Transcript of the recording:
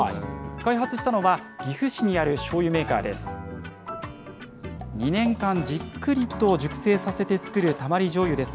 開発したのは岐阜市にあるしょうゆメーカーです。